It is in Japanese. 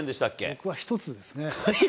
僕は１つですね。